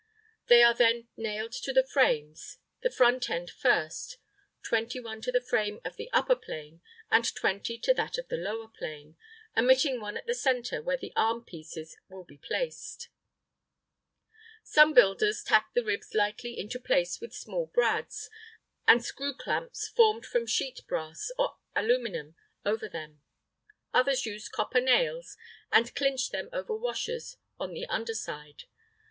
They are then nailed to the frames, the front end first: 21 to the frame of the upper plane, and 20 to that of the lower plane, omitting one at the centre, where the arm pieces will be placed. Some builders tack the ribs lightly into place with small brads, and screw clamps formed from sheet brass or aluminum over them. Others use copper nails and clinch them over washers on the under side.